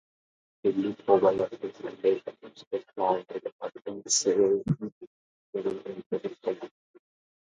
Dilys Powell, of the "Sunday Times" declared its authenticity to be 'moving and terrifying'.